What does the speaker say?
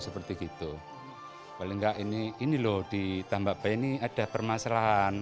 paling tidak di tambak bayan ini ada permasalahan